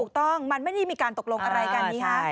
ถูกต้องมันไม่ได้มีการตกลงอะไรกันนี่ฮะ